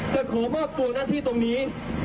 จะขอมอบปวงนักที่ตรงนี้